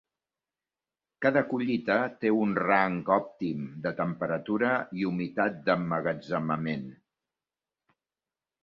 Cada collita té un rang òptim de temperatura i humitat d'emmagatzemament.